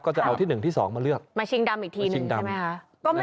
ก็จะเอาที่หนึ่งที่สองมาเลือกมาชิงดำอีกทีหนึ่งใช่ไหมคะมาชิงดำ